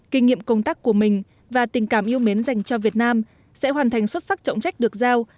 kinh nghiệm công tác của mình và tình cảm yêu mến dành cho việt nam sẽ hoàn thành xuất sắc trọng trách được giao